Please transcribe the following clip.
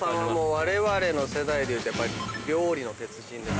われわれの世代でいうとやっぱ『料理の鉄人』です。